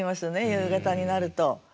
夕方になると。